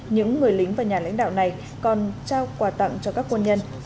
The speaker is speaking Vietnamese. những người lính và nhà lãnh đạo này còn trao quà tặng cho các quân nhân